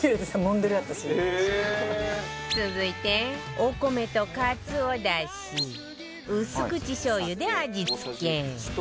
続いてお米とカツオだし薄口しょう油で味付け